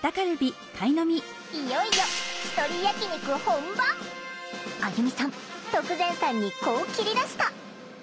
いよいよあゆみさん徳善さんにこう切り出した。